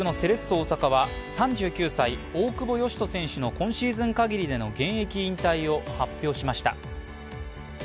大阪は３９歳、大久保嘉人選手の今シーズン限りでの現役引退を発表しました。